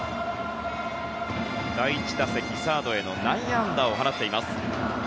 第１打席、サードへの内野安打を放っています。